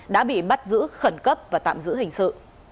đã bị bắt giữ khẩn cấp và tạm giữ hình sự